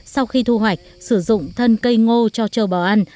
sau khi thu hoạch sử dụng thân cây ngô cho trâu bò ăn